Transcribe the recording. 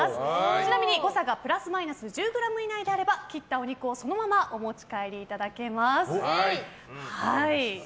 ちなみに誤差プラスマイナス１０ｇ以内であれば切ったお肉をそのままお持ち帰りいただけます。